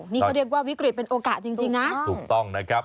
นี่ก็เรียกว่าวิกฤตเป็นโอกาสจริงนะถูกต้องนะครับ